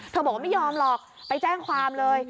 บอกว่าไม่ยอมหรอกไปแจ้งความเลย